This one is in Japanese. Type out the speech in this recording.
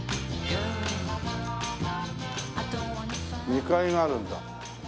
２階があるんだ。